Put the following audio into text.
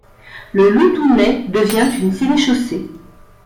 Le Loudunais devient une sénéchaussée.